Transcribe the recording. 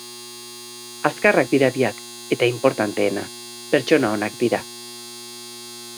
Azkarrak dira biak, eta inportanteena, pertsona onak dira.